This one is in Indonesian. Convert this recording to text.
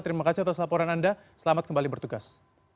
terima kasih atas laporan anda selamat kembali bertugas